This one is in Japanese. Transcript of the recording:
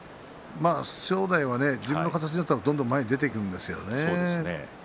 正代は自分の形になるとどんどん前に出ていくんですよね。